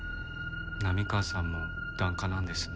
波川さんも檀家なんですね。